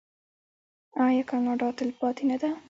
آیا کاناډا تلپاتې نه ده؟